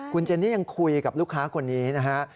คุณเจนี่ยังคุยกับลูกค้าคนนี้นะฮะ